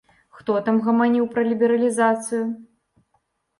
Хто там гаманіў пра лібералізацыю?